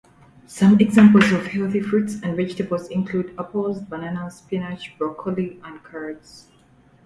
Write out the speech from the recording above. Some examples of healthy fruits and vegetables include apples, bananas, spinach, broccoli, and carrots.